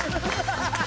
ハハハハ！